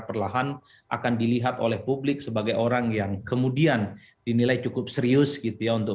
perlahan akan dilihat oleh publik sebagai orang yang kemudian dinilai cukup serius gitu ya untuk